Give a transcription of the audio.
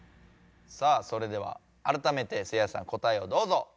さあそれではあらためてせいやさん答えをどうぞ。